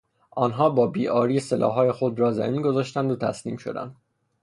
آنها با بیعاری سلاحهای خود را زمین گذاشتند و تسلیم شدند.